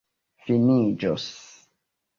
finiĝos